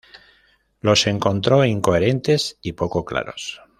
Los encontró incoherentes y poco claros.